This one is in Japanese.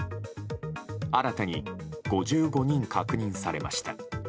新たに５５人確認されました。